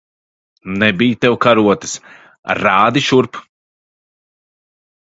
Nebij tev karotes. Rādi šurp!